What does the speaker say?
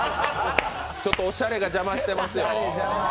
ちょっとおしゃれが邪魔してますよ。